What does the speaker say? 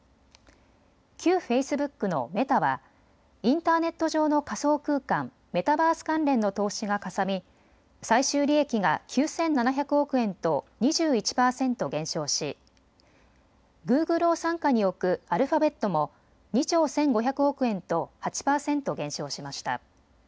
旧フェイスブックのメタはインターネット上の仮想空間、メタバース関連の投資がかさみ最終利益が９７００億円と２１％減少しグーグルを傘下に置くアルファベットも２兆１５００億円と８％減少しました。